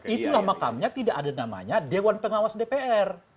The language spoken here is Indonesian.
itulah makamnya tidak ada namanya dewan pengawas dpr